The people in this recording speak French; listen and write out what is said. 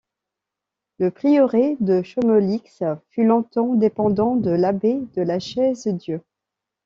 Le prieuré de Chomelix fut longtemps dépendant de l'abbaye de la Chaise-Dieu.